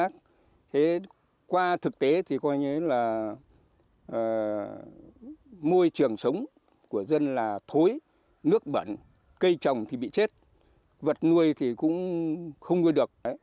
thế qua thực tế thì coi như là môi trường sống của dân là thối nước bẩn cây trồng thì bị chết vật nuôi thì cũng không nuôi được